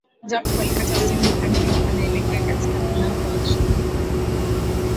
Jacob alikata simu akiwa anaelekea katika mlango wa chumba